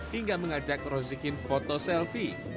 hingga mengajak rozikin foto selfie